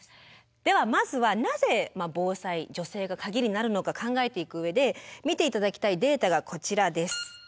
ではまずはなぜ防災女性がカギになるのか考えていく上で見て頂きたいデータがこちらです。